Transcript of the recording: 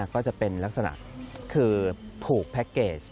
ก็จะเป็นลักษณะคือผูกแพ็คเกจ